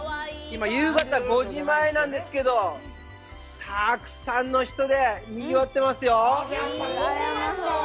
今、夕方５時前なんですけど、たくさんの人でにぎわってますよ。